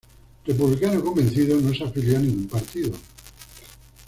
Republicano convencido, no se afilió a ningún partido.